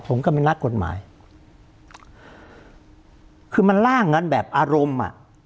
ผมก็เป็นนักกฎหมายคือมันล่างกันแบบอารมณ์อ่ะ